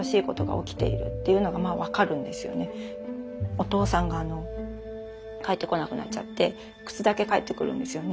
お父さんが帰ってこなくなっちゃって靴だけ帰ってくるんですよね。